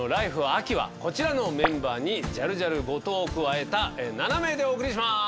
秋」はこちらのメンバーにジャルジャル後藤を加えた７名でお送りします！